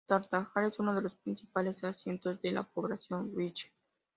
Tartagal es uno de los principales asientos de la población wichí.